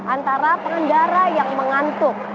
antara pengendara yang mengantuk